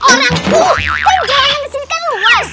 kan jalan yang disini kan luas